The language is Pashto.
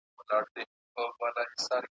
د دښمن په ګټه بولم .